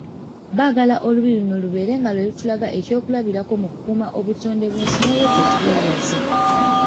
Baagala Olubiri luno lubeere nga lwe lutulaga ekyokulabirako mu kukuuma obutonde bw'ensi nooolwekyo tubeebaza.